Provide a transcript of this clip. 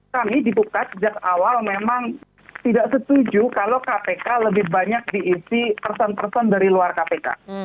kami dibuka sejak awal memang tidak setuju kalau kpk lebih banyak diisi person person dari luar kpk